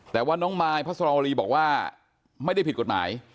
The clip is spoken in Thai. แต่ว่าน้องมายพระสรวรีบอกว่าไม่ได้ผิดกฎหมาย